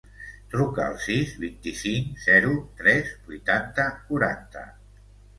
Truca al sis, vint-i-cinc, zero, tres, vuitanta, quaranta.